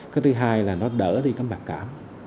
cái thứ hai là nó đỡ đi các mạc cảm